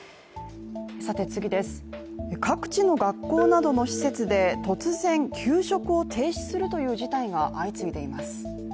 各地の学校などの施設で突然給食を停止するという事態が相次いでいます。